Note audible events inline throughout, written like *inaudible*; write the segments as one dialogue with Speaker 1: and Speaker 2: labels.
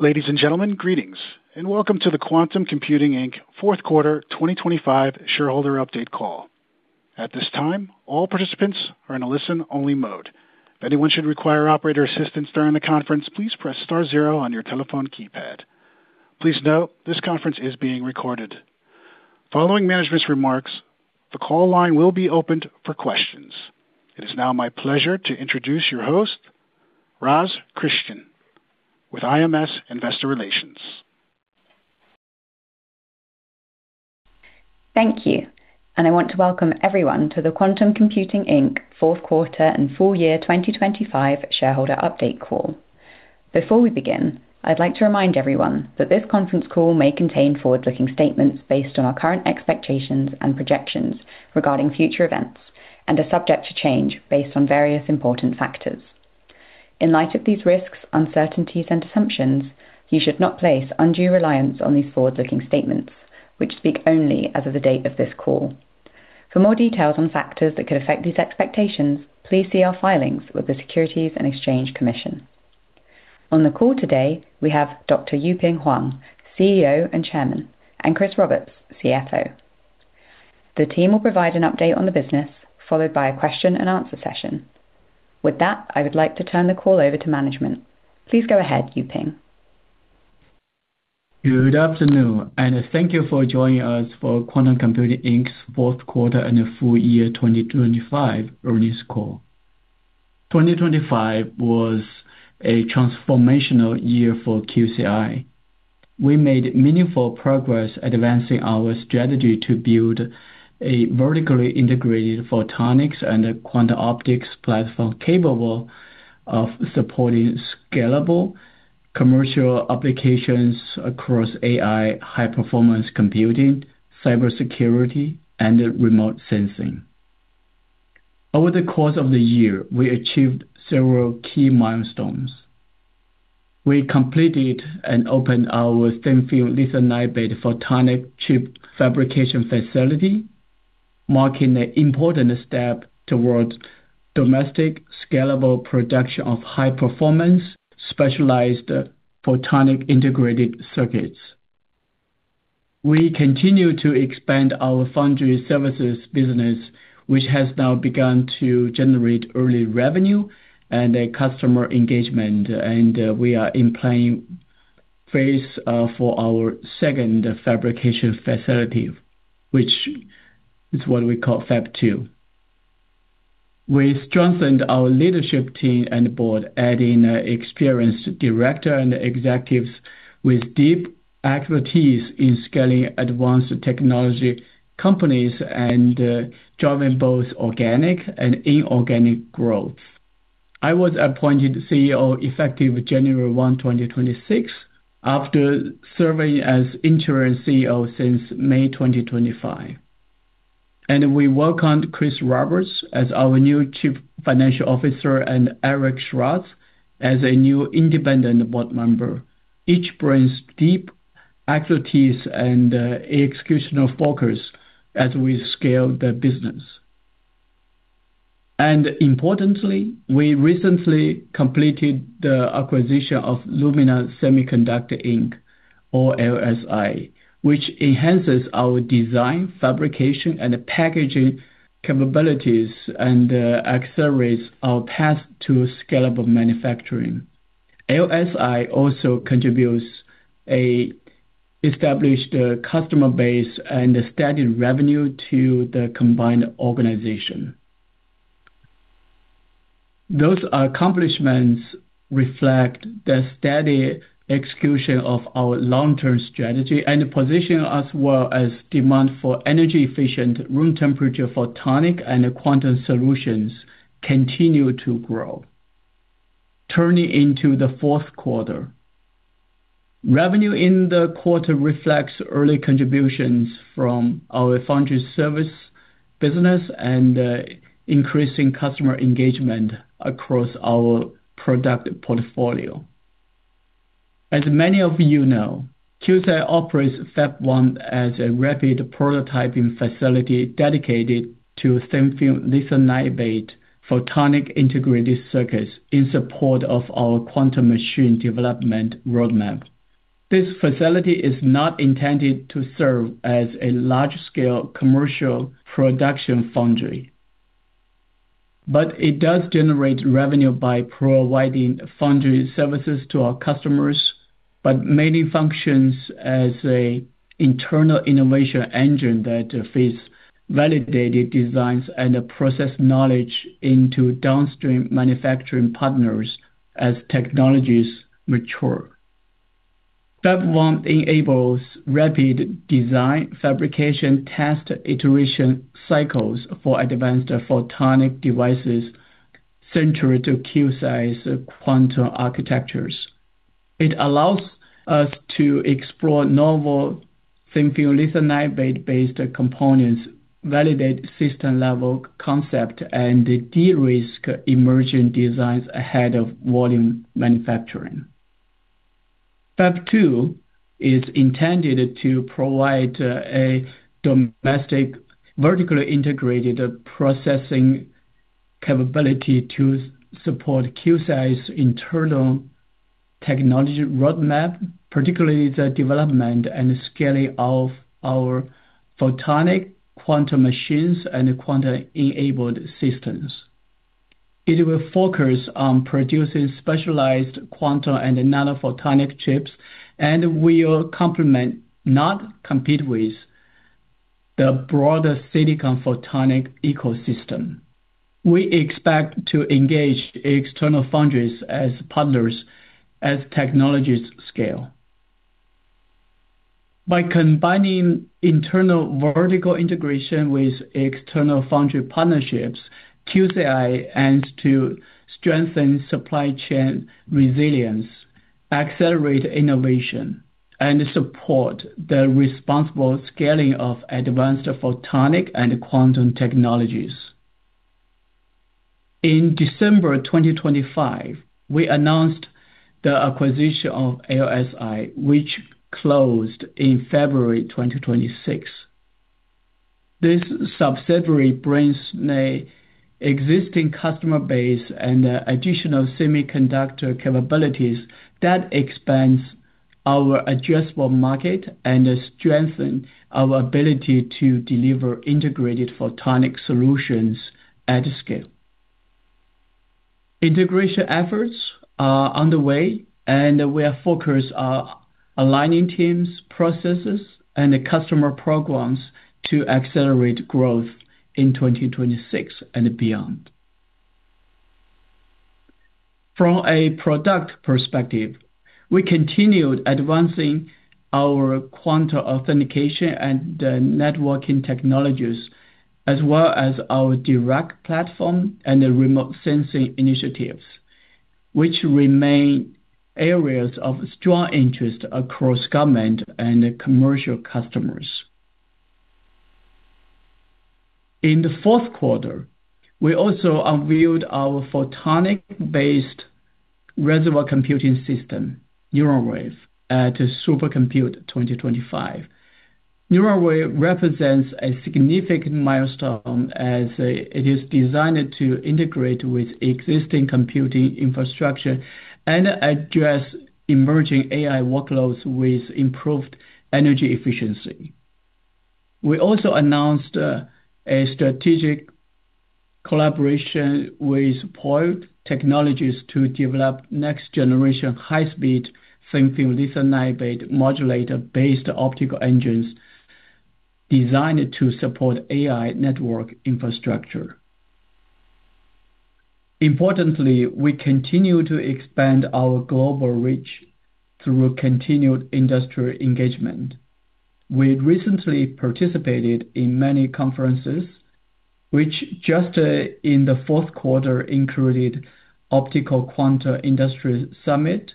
Speaker 1: Ladies and gentlemen, greetings, and welcome to the Quantum Computing Inc. Fourth Quarter 2025 Shareholder Update Call. At this time, all participants are in a listen-only mode. If anyone should require operator assistance during the conference, please press star zero on your telephone keypad. Please note this conference is being recorded. Following management's remarks, the call line will be opened for questions. It is now my pleasure to introduce your host, Rosalyn Christian with IMS Investor Relations.
Speaker 2: Thank you. I want to welcome everyone to the Quantum Computing Inc. Fourth Quarter and Full Year 2025 Shareholder Update Call. Before we begin, I'd like to remind everyone that this conference call may contain forward-looking statements based on our current expectations and projections regarding future events and are subject to change based on various important factors. In light of these risks, uncertainties, and assumptions, you should not place undue reliance on these forward-looking statements, which speak only as of the date of this call. For more details on factors that could affect these expectations, please see our filings with the Securities and Exchange Commission. On the call today, we have Dr. Yuping Huang, CEO and Chairman, and Chris Roberts, CFO. The team will provide an update on the business, followed by a question-and-answer session. With that, I would like to turn the call over to management. Please go ahead, Yuping.
Speaker 3: Good afternoon, thank you for joining us for Quantum Computing Inc.'s Fourth Quarter and Full Year 2025 Earnings Call. 2025 was a transformational year for QCI. We made meaningful progress advancing our strategy to build a vertically integrated photonics and quantum optics platform capable of supporting scalable commercial applications across AI, high-performance computing, cybersecurity, and remote sensing. Over the course of the year, we achieved several key milestones. We completed and opened our thin-film lithium niobate photonic chip Fabrication facility, marking an important step towards domestic, scalable production of high-performance specialized photonic integrated circuits. We continue to expand our foundry services business, which has now begun to generate early revenue and customer engagement. We are in planning phase for our second Fabrication facility, which is what we call Fab Two. We strengthened our leadership team and board, adding experienced director and executives with deep expertise in scaling advanced technology companies and driving both organic and inorganic growth. I was appointed CEO effective January 1, 2026 after serving as interim CEO since May 2025. We welcomed Chris Roberts as our new Chief Financial Officer and Eric Schwartz as a new independent board member. Each brings deep expertise and executional focus as we scale the business. Importantly, we recently completed the acquisition of Lumina Semiconductor Inc., or LSI, which enhances our design, Fabrication, and packaging capabilities and accelerates our path to scalable manufacturing. LSI also contributes a established customer base and a steady revenue to the combined organization. Those accomplishments reflect the steady execution of our long-term strategy and position us well as demand for energy-efficient room temperature photonic and quantum solutions continue to grow. Turning into the Fourth Quarter. Revenue in the quarter reflects early contributions from our foundry service business and increasing customer engagement across our product portfolio. As many of you know, QCI operates Fab One as a rapid prototyping facility dedicated to thin-film lithium niobate photonic integrated circuits in support of our quantum machine development roadmap. This facility is not intended to serve as a large-scale commercial production foundry. It does generate revenue by providing foundry services to our customers, but mainly functions as anand internal innovation engine that feeds validated designs and process knowledge into downstream manufacturing partners as technologies mature. Fab One enables rapid design, Fabrication, test iteration cycles for advanced photonic devices central to QCI's quantum architectures. It allows us to explore novel thin-film lithium niobate-based components, validate system-level concept, and de-risk emerging designs ahead of volume manufacturing. Fab Two is intended to provide a domestic vertically integrated processing capability to support QCI's internal technology roadmap, particularly the development and scaling of our photonic quantum machines and quantum-enabled systems. It will focus on producing specialized quantum and nanophotonic chips, and will complement, not compete with the broader silicon photonic ecosystem. We expect to engage external foundries as partners as technologies scale. By combining internal vertical integration with external foundry partnerships, QCI aims to strengthen supply chain resilience, accelerate innovation, and support the responsible scaling of advanced photonic and quantum technologies. In December 2025, we announced the acquisition of LSI, which closed in February 2026. This subsidiary brings a existing customer base and additional semiconductor capabilities that expands our addressable market and strengthen our ability to deliver integrated photonic solutions at scale. Integration efforts are underway. We are focused on aligning teams, processes, and customer programs to accelerate growth in 2026 and beyond. From a product perspective, we continued advancing our quantum authentication and networking technologies, as well as our Dirac platform and remote sensing initiatives, which remain areas of strong interest across government and commercial customers. In the fourth quarter, we also unveiled our photonic-based reservoir computing system, Neurawave, at Supercomputing 2025. Neurawave represents a significant milestone as it is designed to integrate with existing computing infrastructure and address emerging AI workloads with improved energy efficiency. We also announced a strategic collaboration with POET Technologies to develop next generation high-speed thin-film lithium niobate modulator-based optical engines designed to support AI network infrastructure. Importantly, we continue to expand our global reach through continued industry engagement. We recently participated in many conferences, which just in the 4th quarter included Optica Quantum Industry Summit,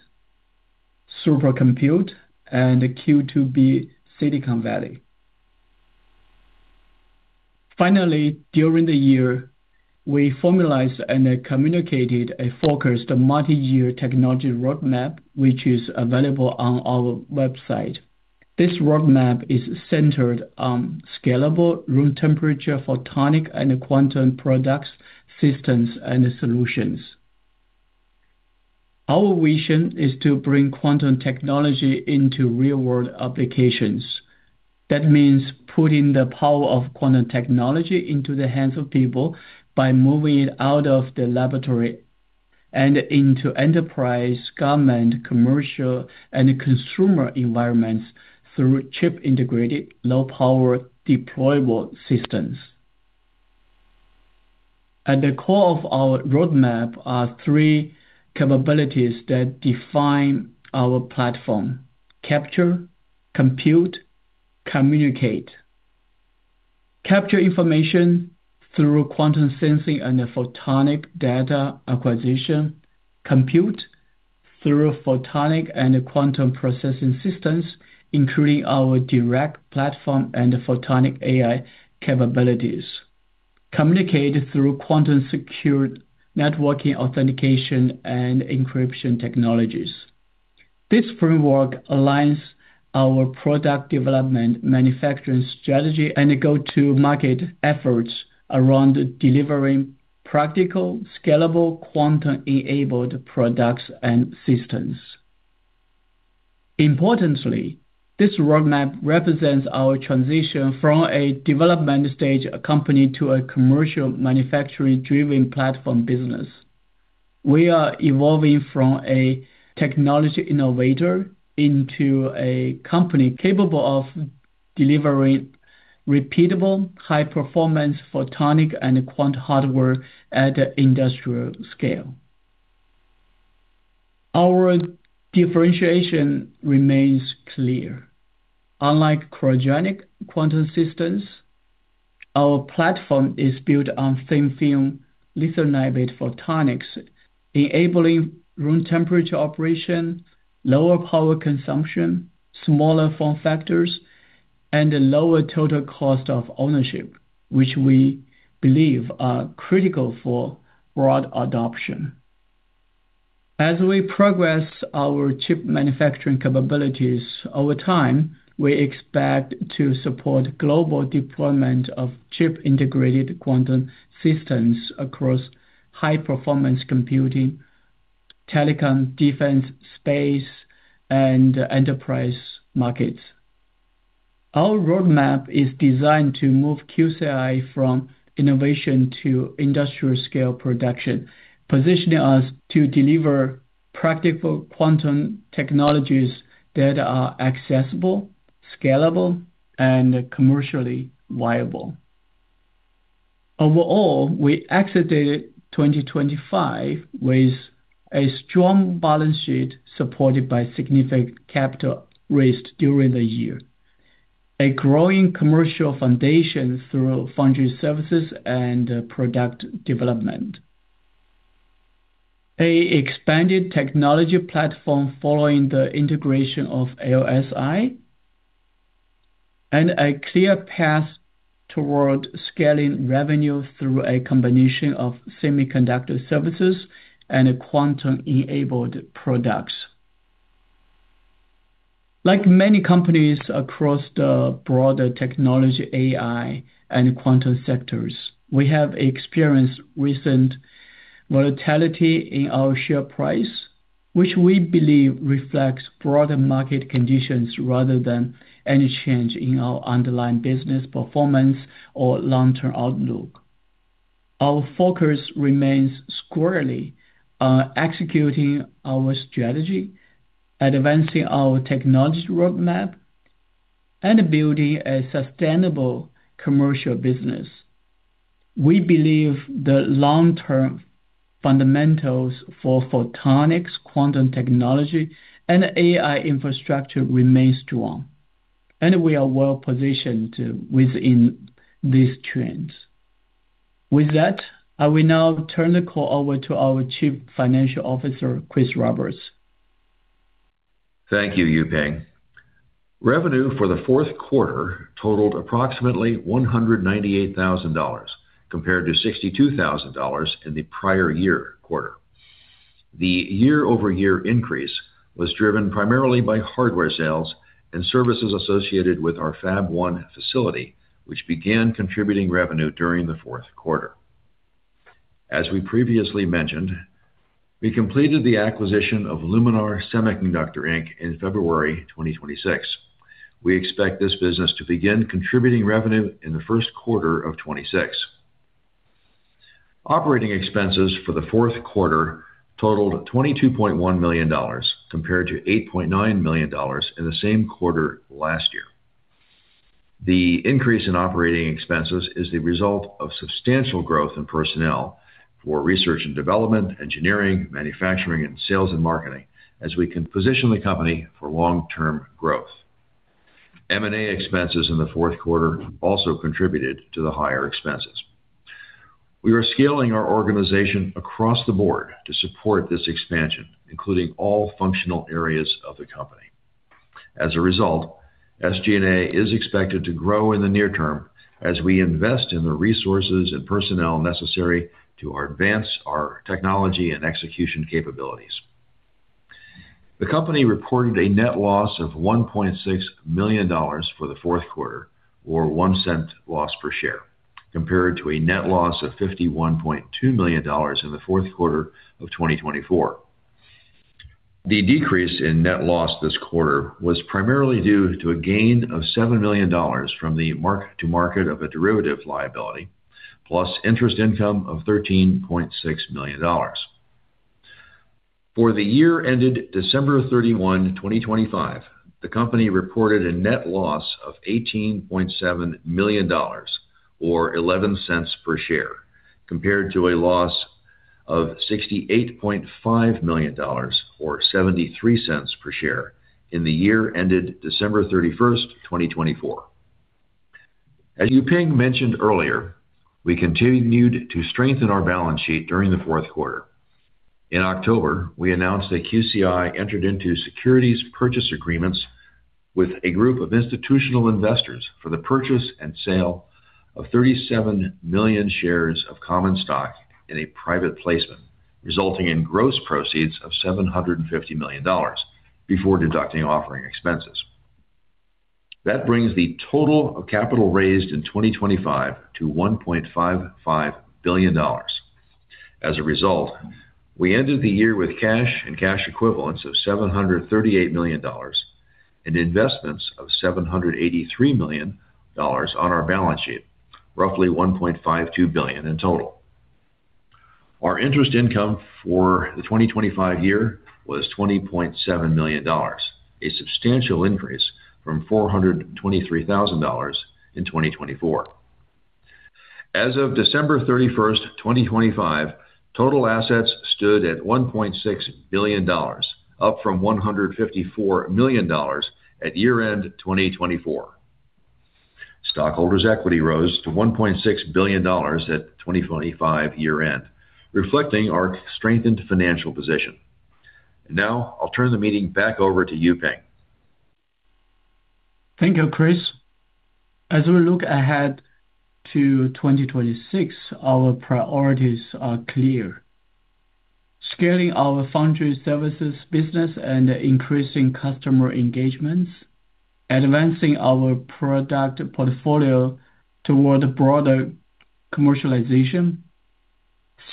Speaker 3: Supercomputing, and Q2B Silicon Valley. Finally, during the year, we formalized and communicated a focused multi-year technology roadmap, which is available on our website. This roadmap is centered on scalable room temperature photonic and quantum products, systems, and solutions. Our vision is to bring quantum technology into real-world applications. That means putting the power of quantum technology into the hands of people by moving it out of the laboratory and into enterprise, government, commercial, and consumer environments through chip-integrated, low-power deployable systems. At the core of our roadmap are three capabilities that define our platform: capture, compute, communicate. Capture information through quantum sensing and photonic data acquisition. Compute through photonic and quantum processing systems, including our Dirac platform and photonic AI capabilities. Communicate through quantum secured networking authentication and encryption technologies. This framework aligns our product development, manufacturing strategy, and go-to-market efforts around delivering practical, scalable, quantum-enabled products and systems. Importantly, this roadmap represents our transition from a development stage company to a commercial manufacturing-driven platform business. We are evolving from a technology innovator into a company capable of delivering repeatable high-performance photonic and quantum hardware at an industrial scale. Our differentiation remains clear. Unlike cryogenic quantum systems, our platform is built on thin film lithium niobate photonics, enabling room temperature operation, lower power consumption, smaller form factors, and a lower total cost of ownership, which we believe are critical for broad adoption. As we progress our chip manufacturing capabilities over time, we expect to support global deployment of chip integrated quantum systems across high performance computing, telecom, defense, space, and enterprise markets. Our roadmap is designed to move QCI from innovation to industrial scale production, positioning us to deliver practical quantum technologies that are accessible, scalable, and commercially viable. Overall, we exited 2025 with a strong balance sheet supported by significant capital raised during the year. A growing commercial foundation through foundry services and product development. A expanded technology platform following the integration of LSI. A clear path toward scaling revenue through a combination of semiconductor services and quantum-enabled products. Like many companies across the broader technology, AI, and quantum sectors, we have experienced recent volatility in our share price, which we believe reflects broader market conditions rather than any change in our underlying business performance or long-term outlook. Our focus remains squarely on executing our strategy, advancing our technology roadmap, and building a sustainable commercial business. We believe the long-term fundamentals for photonics, quantum technology, and AI infrastructure remains strong, we are well-positioned to within these trends. With that, I will now turn the call over to our Chief Financial Officer, Chris Roberts.
Speaker 4: Thank you, Yuping. Revenue for the fourth quarter totaled approximately $198,000 compared to $62,000 in the prior year quarter. The year-over-year increase was driven primarily by hardware sales and services associated with our Fab-One facility, which began contributing revenue during the fourth quarter. As we previously mentioned, we completed the acquisition of Luminar Semiconductor Inc in February 2026. We expect this business to begin contributing revenue in the first quarter of 2026. Operating expenses for the fourth quarter totaled $22.1 million compared to $8.9 million in the same quarter last year. The increase in operating expenses is the result of substantial growth in personnel for research and development, engineering, manufacturing and sales and marketing as we can position the company for long-term growth. M&A expenses in the fourth quarter also contributed to the higher expenses. We are scaling our organization across the board to support this expansion, including all functional areas of the company. SG&A is expected to grow in the near term as we invest in the resources and personnel necessary to advance our technology and execution capabilities. The company reported a net loss of $1.6 million for the fourth quarter, or $0.01 loss per share, compared to a net loss of $51.2 million in the fourth quarter of 2024. The decrease in net loss this quarter was primarily due to a gain of $7 million from the mark-to-market of a derivative liability, plus interest income of $13.6 million. For the year ended December 31, 2025, the company reported a net loss of $18.7 million or $0.11 per share, compared to a loss of $68.5 million or $0.73 per share in the year ended December 31, 2024. As Yuping mentioned earlier, we continued to strengthen our balance sheet during the fourth quarter. In October, we announced that QCI entered into securities purchase agreements with a group of institutional investors for the purchase and sale of 37 million shares of common stock in a private placement, resulting in gross proceeds of $750 million before deducting offering expenses. That brings the total of capital raised in 2025 to $1.55 billion. We ended the year with cash and cash equivalents of $738 million and investments of $783 million on our balance sheet. Roughly $1.52 billion in total. Our interest income for the 2025 year was $20.7 million, a substantial increase from $423,000 in 2024. As of December 31st, 2025, total assets stood at $1.6 billion, up from $154 million at year-end 2024. Stockholders' equity rose to $1.6 billion at 2025 year-end, reflecting our strengthened financial position. I'll turn the meeting back over to Yuping.
Speaker 3: Thank you, Chris. As we look ahead to 2026, our priorities are clear. Scaling our foundry services business and increasing customer engagements, advancing our product portfolio toward broader commercialization,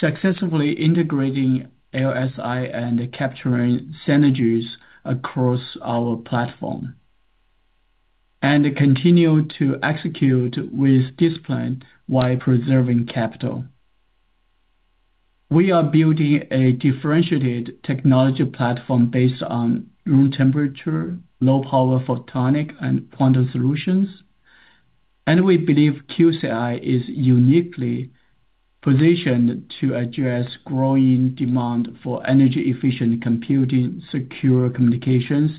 Speaker 3: successfully integrating LSI and capturing synergies across our platform, continue to execute with discipline while preserving capital. We are building a differentiated technology platform based on room temperature, low power photonic and quantum solutions. We believe QCI is uniquely positioned to address growing demand for energy efficient computing, secure communications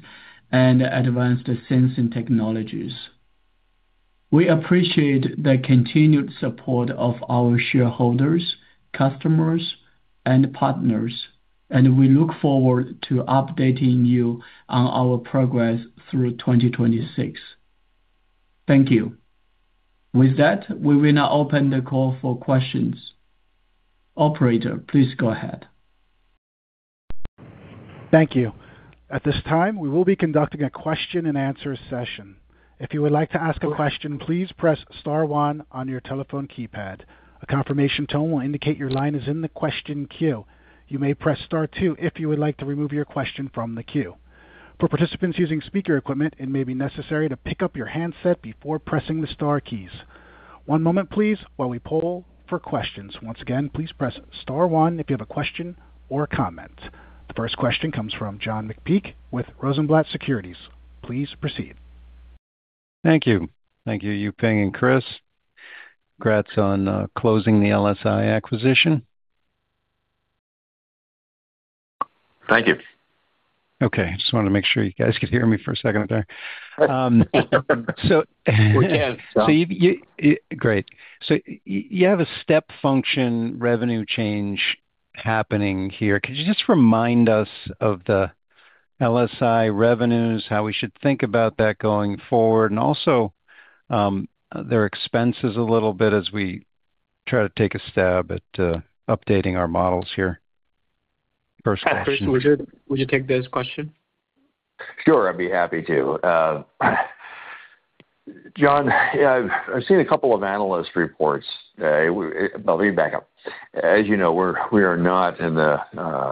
Speaker 3: and advanced sensing technologies. We appreciate the continued support of our shareholders, customers and partners, we look forward to updating you on our progress through 2026. Thank you. With that, we will now open the call for questions. Operator, please go ahead.
Speaker 1: Thank you. At this time, we will be conducting a question and answer session. If you would like to ask a question, please press star one on your telephone keypad. A confirmation tone will indicate your line is in the question queue. You may press star two if you would like to remove your question from the queue. For participants using speaker equipment, it may be necessary to pick up your handset before pressing the star keys. One moment please, while we poll for questions. Once again, please press star one if you have a question or comment. The first question comes from John McPeake with Rosenblatt Securities. Please proceed.
Speaker 5: Thank you. Thank you, Yuping and Chris. Congrats on closing the LSI acquisition.
Speaker 3: Thank you.
Speaker 5: Okay. Just wanted to make sure you guys could hear me for a second there.
Speaker 3: We can, John.
Speaker 5: Great. You have a step function revenue change happening here. Could you just remind us of the LSI revenues, how we should think about that going forward? Also, their expenses a little bit as we try to take a stab at updating our models here. First question.
Speaker 3: Chris, would you take this question?
Speaker 4: Sure, I'd be happy to. John, I've seen a couple of analyst reports. Well, let me back up. As you know, we are not in the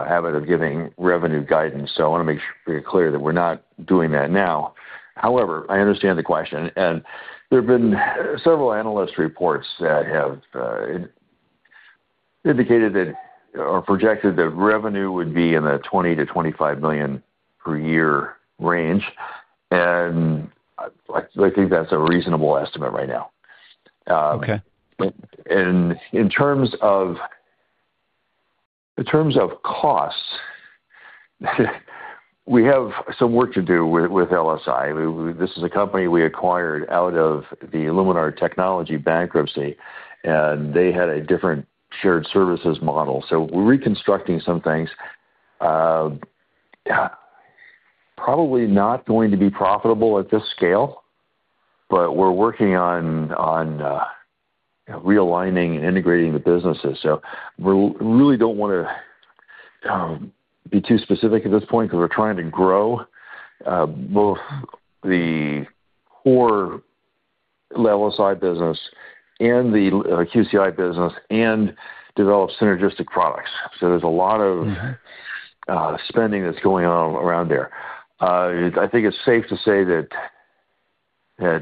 Speaker 4: habit of giving revenue guidance, so I want to make sure we're clear that we're not doing that now. However, I understand the question, and there have been several analyst reports that have indicated that or projected that revenue would be in the $20-25 million per year range. I think that's a reasonable estimate right now.
Speaker 5: Okay.
Speaker 4: In terms of costs, we have some work to do with LSI. This is a company we acquired out of the Luminar Technologies bankruptcy, and they had a different shared services model. We're reconstructing some things. Probably not going to be profitable at this scale, but we're working on realigning and integrating the businesses. We really don't want to be too specific at this point because we're trying to grow both the core LSI business and the QCI business and develop synergistic products. There's a lot of...
Speaker 5: Mm-hmm.
Speaker 4: Spending that's going on around there. I think it's safe to say that,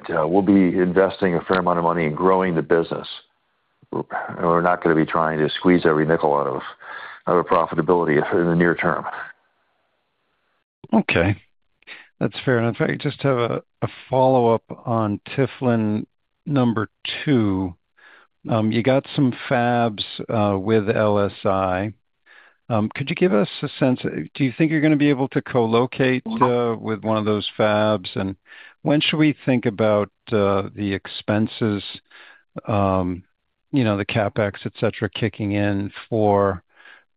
Speaker 4: we'll be investing a fair amount of money in growing the business. We're not going to be trying to squeeze every nickel out of profitability in the near term.
Speaker 5: Okay. That's fair. In fact, I just have a follow-up on Fab Two. You got some Fabs with LSI. Could you give us a sense, do you think you're going to be able to co-locate with one of those Fabs? When should we think about the expenses, you know, the CapEx, et cetera, kicking in for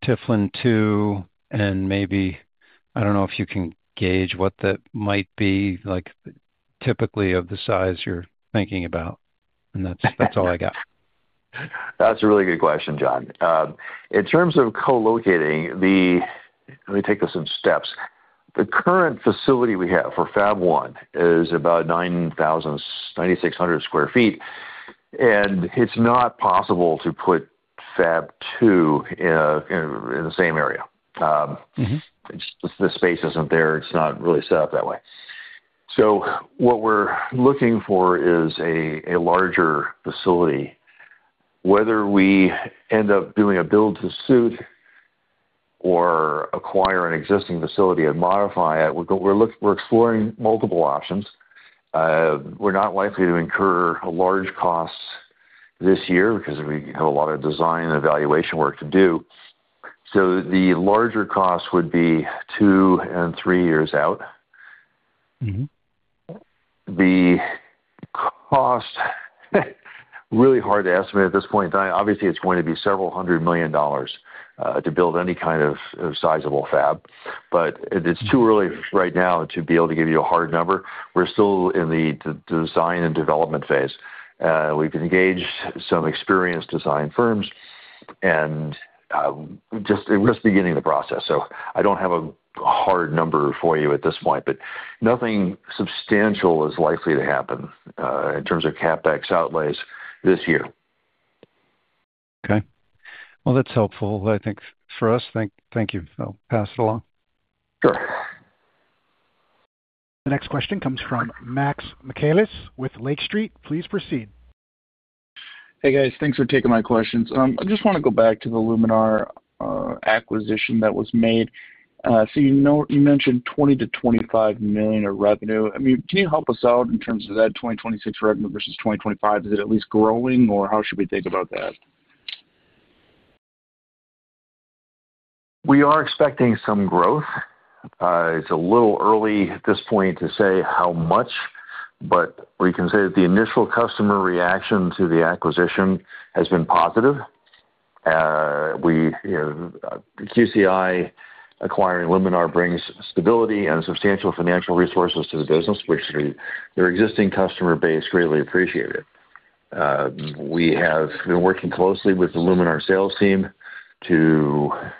Speaker 5: Fab two, and maybe, I don't know if you can gauge what that might be like, typically of the size you're thinking about. That's all I got.
Speaker 4: That's a really good question, John. Let me take this in steps. The current facility we have for Fab One is about 9,600 sq ft. It's not possible to put Fab two in the same area.
Speaker 5: Mm-hmm.
Speaker 4: The space isn't there. It's not really set up that way. What we're looking for is a larger facility. Whether we end up doing a build to suit or acquire an existing facility and modify it, we're exploring multiple options. We're not likely to incur a large cost this year because we have a lot of design and evaluation work to do. The larger cost would be two and three years out.
Speaker 5: Mm-hmm.
Speaker 4: Cost, really hard to estimate at this point in time. Obviously, it's going to be $several hundred million to build any kind of sizable Fab. But it's too early right now to be able to give you a hard number. We're still in the design and development phase. We've engaged some experienced design firms, and we're just beginning the process. I don't have a hard number for you at this point, but nothing substantial is likely to happen in terms of CapEx outlays this year.
Speaker 5: Okay. Well, that's helpful, I think, for us. Thank you. I'll pass it along.
Speaker 4: Sure.
Speaker 1: The next question comes from Mark Michaelis with Lake Street. Please proceed.
Speaker 6: Hey, guys. Thanks for taking my questions. I just wanna go back to the Luminar acquisition that was made. you know, you mentioned $20-25 million of revenue. I mean, can you help us out in terms of that 2026 revenue versus 2025? Is it at least growing, or how should we think about that?
Speaker 4: We are expecting some growth. It's a little early at this point to say how much, but we can say that the initial customer reaction to the acquisition has been positive. We, you know, QCI acquiring Luminar brings stability and substantial financial resources to the business, which the, their existing customer base greatly appreciated. We have been working closely with the Luminar sales team to, you know, help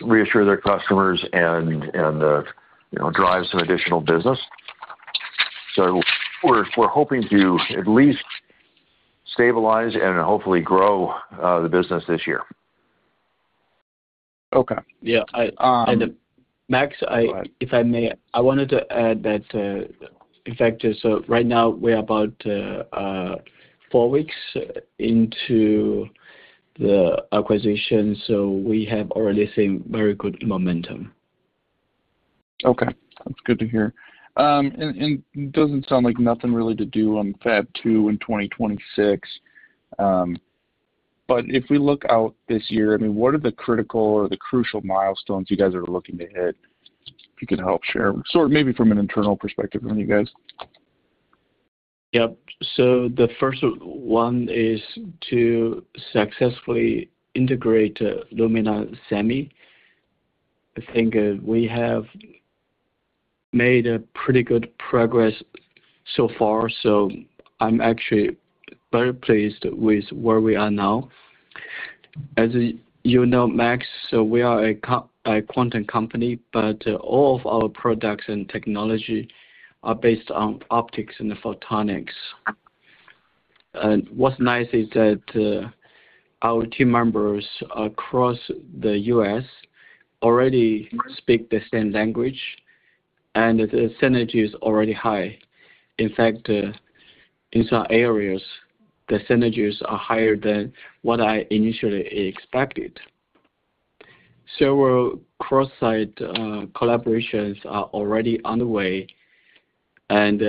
Speaker 4: reassure their customers and, you know, drive some additional business. We're, we're hoping to at least stabilize and hopefully grow the business this year.
Speaker 6: Okay. Yeah. I.
Speaker 3: Max- *crosstalk*
Speaker 6: Go ahead.
Speaker 3: If I may, I wanted to add that, in fact, right now, we're about four weeks into the acquisition, we have already seen very good momentum.
Speaker 6: Okay. That's good to hear. doesn't sound like nothing really to do on Fab 2 in 2026. If we look out this year, I mean, what are the critical or the crucial milestones you guys are looking to hit? If you can help share, sort of maybe from an internal perspective from you guys.
Speaker 3: Yep. The first one is to successfully integrate Luminar Semiconductor. I think we have made pretty good progress so far, so I'm actually very pleased with where we are now. As, you know, Max, we are a quantum company, but all of our products and technology are based on optics and photonics. What's nice is that our team members across the U.S. already speak the same language, and the synergy is already high. In fact, in some areas, the synergies are higher than what I initially expected. Several cross-site collaborations are already underway, and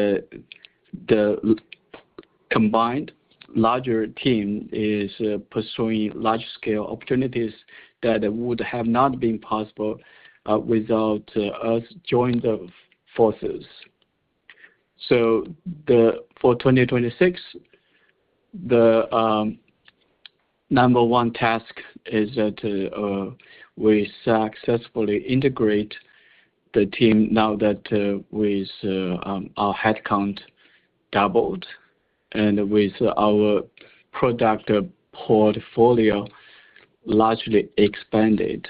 Speaker 3: the combined larger team is pursuing large-scale opportunities that would have not been possible without us joining the forces. The. for 2026, the number one task is that we successfully integrate the team now that with our headcount doubled and with our product portfolio largely expanded.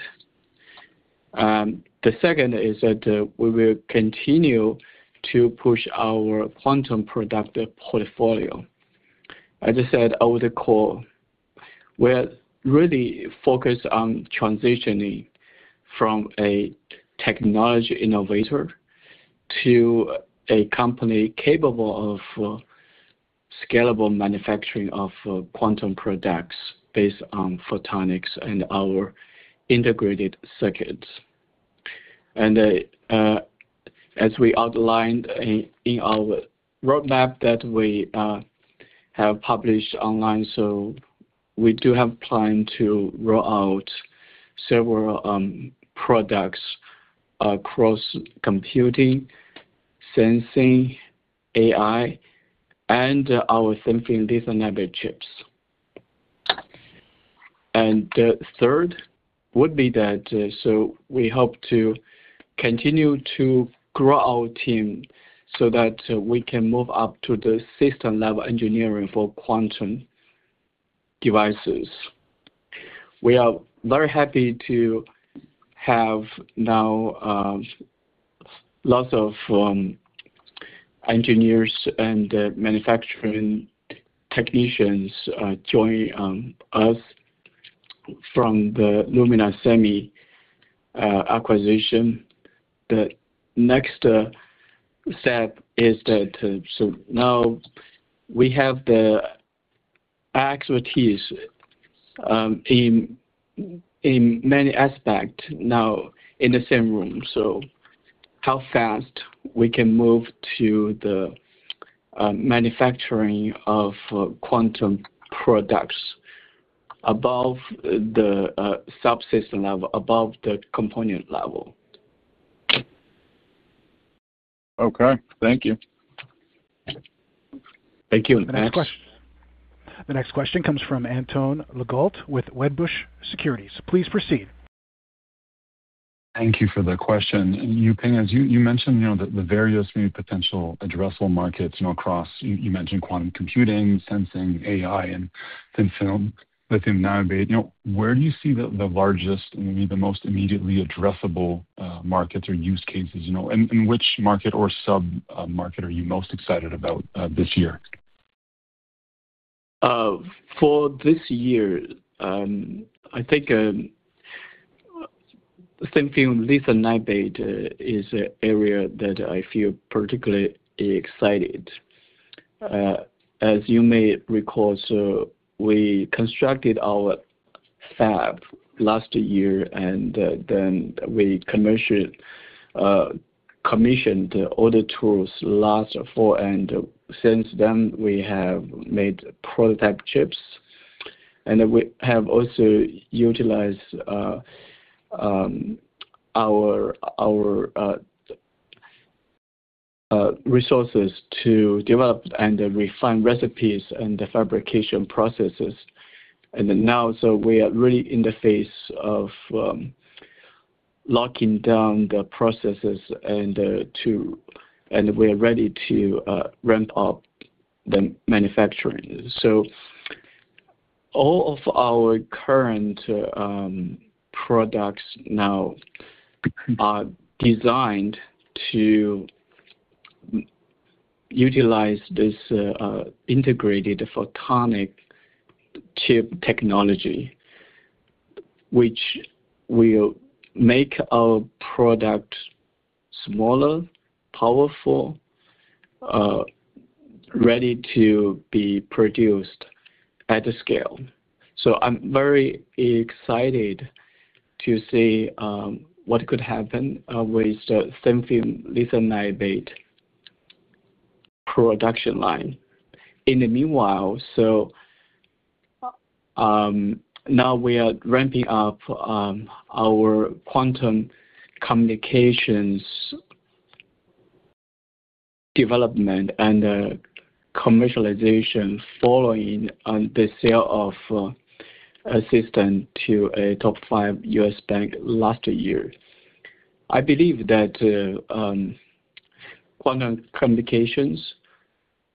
Speaker 3: The second is that we will continue to push our quantum product portfolio. As I said, over the call, we're really focused on transitioning from a technology innovator to a company capable of scalable manufacturing of quantum products based on photonics and our integrated circuits. As we outlined in our roadmap that we have published online, we do have plan to roll out several products across computing, sensing, AI, and our sensing laser network chips. The third would be that we hope to continue to grow our team so that we can move up to the system-level engineering for quantum devices. We are very happy to have now lots of engineers and manufacturing technicians joining us from the Luminar Semi acquisition. The next step is that so now we have the expertise in many aspects now in the same room. How fast we can move to the manufacturing of quantum productsAbove the subsystem level. Above the component level.
Speaker 4: Okay. Thank you.
Speaker 3: Thank you. Next-
Speaker 1: The next question comes from Antoine Legault with Wedbush Securities. Please proceed.
Speaker 7: Thank you for the question. Yuping, as you mentioned, you know, the various new potential addressable markets, you know, across. You mentioned quantum computing, sensing, AI and thin film lithium niobate. You know, where do you see the largest and maybe the most immediately addressable markets or use cases, you know? Which market or sub market are you most excited about this year?
Speaker 3: For this year, I think thin-film lithium niobate is an area that I feel particularly excited. As you may recall, we constructed our Fab last year, then we commissioned all the tools last fall. Since then we have made prototype chips, and we have also utilized our resources to develop and refine recipes and the Fabrication processes. Now we are really in the phase of locking down the processes and we're ready to ramp up the manufacturing. All of our current products now are designed to utilize this integrated photonic chip technology, which will make our product smaller, powerful, ready to be produced at scale. I'm very excited to see what could happen with the thin-film lithium niobate production line. In the meanwhile, now we are ramping up our quantum communications development and commercialization following on the sale of assistant to a top five U.S. bank last year. I believe that quantum communications,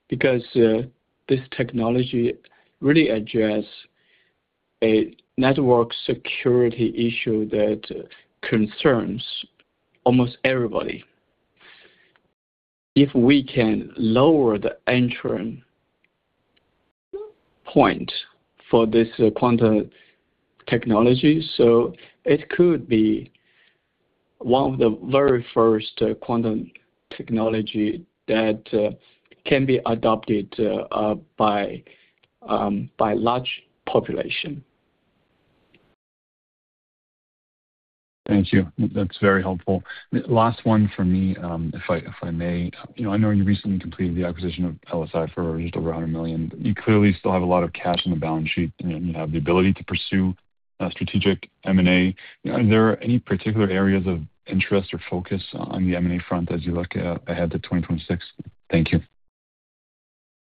Speaker 3: because this technology really address a network security issue that concerns almost everybody. If we can lower the entering point for this quantum technology, it could be one of the very first quantum technology that can be adopted by large population.
Speaker 7: Thank you. That's very helpful. Last one for me, if I may. You know, I know you recently completed the acquisition of LSI for just over $100 million. You clearly still have a lot of cash on the balance sheet. You have the ability to pursue strategic M&A. Are there any particular areas of interest or focus on the M&A front as you look ahead to 2026? Thank you.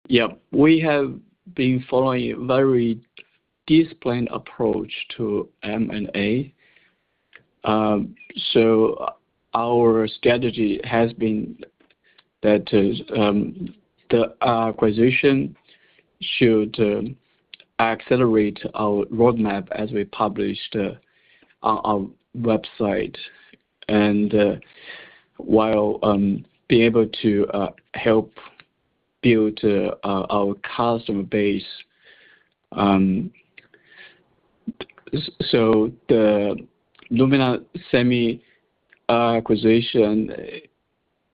Speaker 3: Yeah. We have been following a very disciplined approach to M&A. Our strategy has been that the acquisition should accelerate our roadmap as we published on our website. While being able to help build our customer base. The Luminar Semi acquisition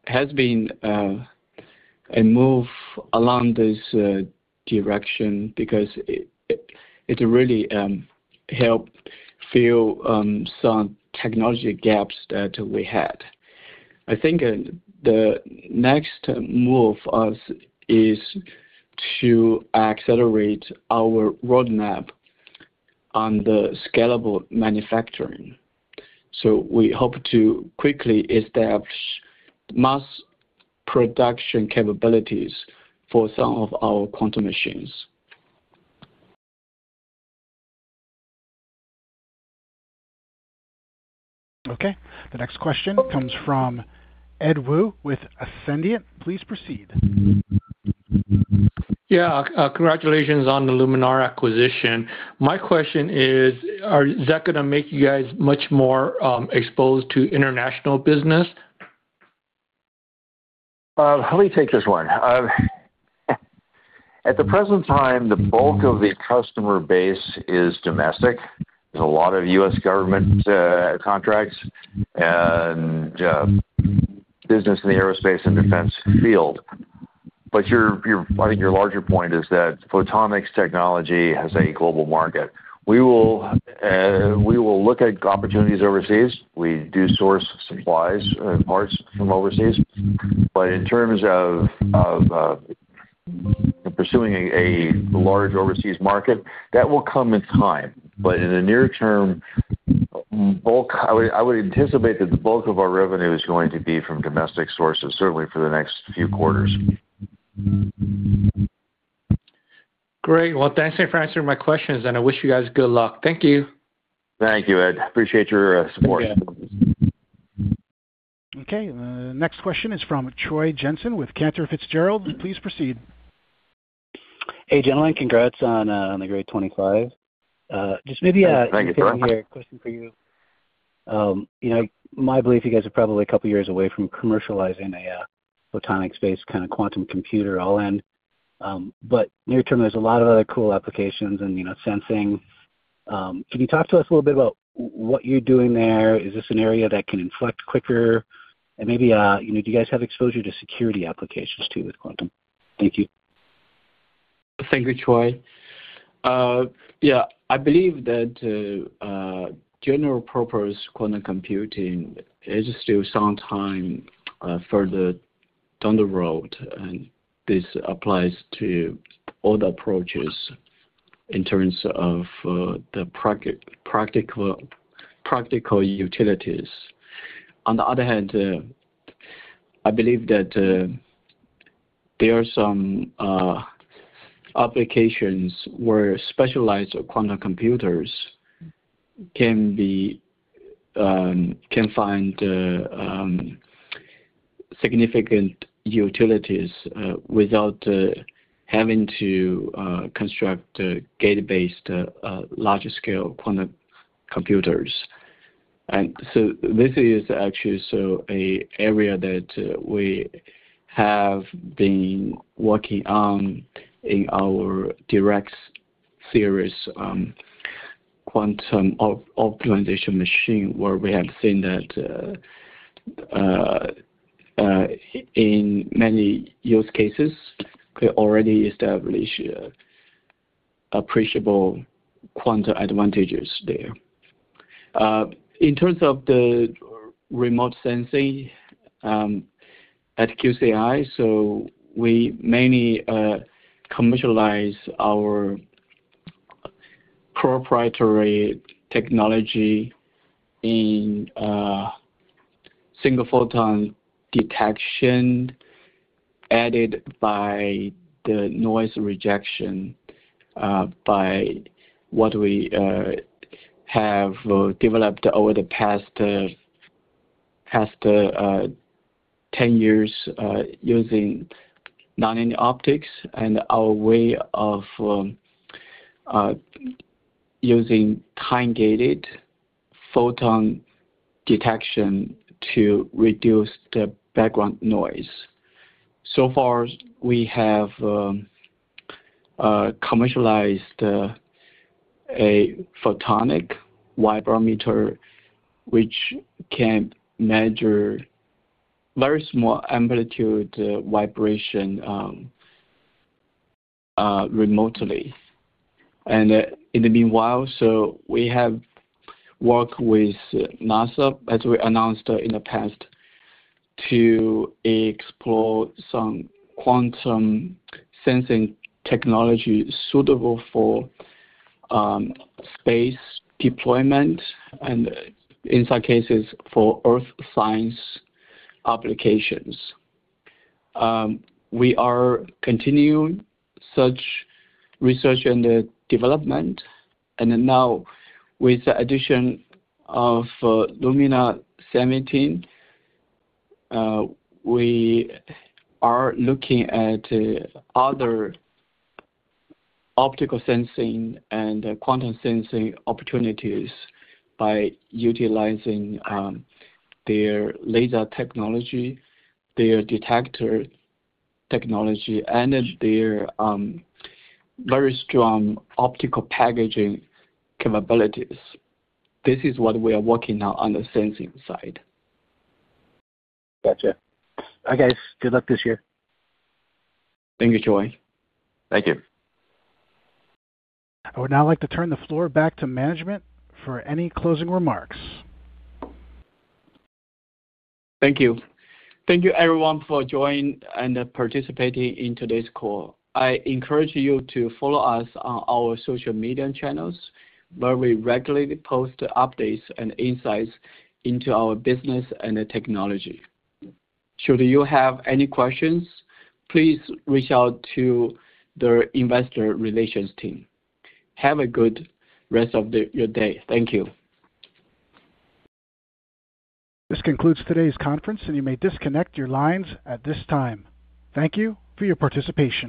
Speaker 3: has been a move along this direction because it really helped fill some technology gaps that we had. I think the next move of is to accelerate our roadmap on the scalable manufacturing. We hope to quickly establish mass production capabilities for some of our quantum machines.
Speaker 1: Okay. The next question comes from Edward Woo with Ascendiant Capital Market. Please proceed.
Speaker 8: Yeah. Congratulations on the Luminar acquisition. My question is that gonna make you guys much more exposed to international business?
Speaker 4: Let me take this one. At the present time, the bulk of the customer base is domestic. There's a lot of U.S. government contracts and business in the aerospace and defense field. I think your larger point is that photonics technology has a global market. We will look at opportunities overseas. We do source supplies and parts from overseas. In terms of pursuing a large overseas market, that will come in time, but in the near term bulk. I would anticipate that the bulk of our revenue is going to be from domestic sources, certainly for the next few quarters.
Speaker 8: Great. Thanks for answering my questions, and I wish you guys good luck. Thank you.
Speaker 4: Thank you, Ed. Appreciate your support.
Speaker 8: Thank you.
Speaker 1: Okay. The next question is from Troy Jensen with Cantor Fitzgerald. Please proceed.
Speaker 9: Hey, gentlemen. Congrats on the great $25. just maybe
Speaker 4: Thank you.
Speaker 9: Question for you. You know, my belief, you guys are probably a couple of years away from commercializing a photonics-based kind of quantum computer all in. Near term, there's a lot of other cool applications and, you know, sensing. Can you talk to us a little bit about what you're doing there? Is this an area that can inflect quicker? Maybe, you know, do you guys have exposure to security applications too with quantum? Thank you.
Speaker 3: Thank you, Troy. Yeah. I believe that general purpose quantum computing is still some time further down the road, and this applies to all the approaches in terms of the practical utilities. On the other hand, I believe that there are some applications where specialized quantum computers can find significant utilities without having to construct a database to larger scale quantum computers. This is actually so a area that we have been working on in our Dirac series, quantum optimization machine, where we have seen that in many use cases, we already established appreciable quantum advantages there. In terms of the remote sensing, at QCI, we mainly commercialize our proprietary technology in single-photon detection added by the noise rejection, by what we have developed over the past 10 years, using nonlinear optics and our way of using time-gated photon detection to reduce the background noise. Far we have commercialized a photonic vibrometer which can measure very small amplitude vibration remotely. In the meanwhile, we have worked with NASA, as we announced in the past, to explore some quantum sensing technology suitable for space deployment and in some cases for earth science applications. We are continuing such research and development. Now with the addition of Lumina Semiconductor Inc., we are looking at other optical sensing and quantum sensing opportunities by utilizing their laser technology, their detector technology, and their very strong optical packaging capabilities. This is what we are working now on the sensing side.
Speaker 9: Gotcha. Bye, guys. Good luck this year.
Speaker 3: Thank you, Troy.
Speaker 4: Thank you.
Speaker 1: I would now like to turn the floor back to management for any closing remarks.
Speaker 3: Thank you. Thank you everyone for joining and participating in today's call. I encourage you to follow us on our social media channels, where we regularly post updates and insights into our business and technology. Should you have any questions, please reach out to the investor relations team. Have a good rest of your day. Thank you.
Speaker 1: This concludes today's conference, and you may disconnect your lines at this time. Thank you for your participation.